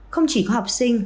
không chỉ có học sinh